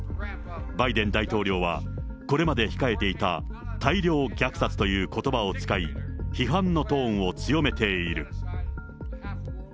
バイデン大統領は、これまで控えていた大量虐殺ということばを使い、批判のトーンを強めている。